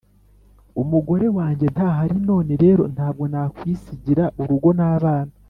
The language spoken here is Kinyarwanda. «umugore wanjye ntahari none rero ntabwo nakwisigira urugo n'abana.